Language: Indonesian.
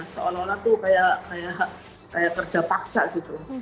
seolah olah tuh kayak kerja paksa gitu